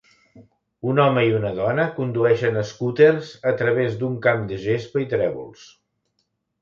un home i una dona condueixen escúters a través d'un camp de gespa i trèvols.